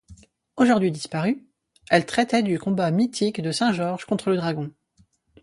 Aujourd'hui disparue, elle traitait du combat mythique de saint Georges contre le dragon.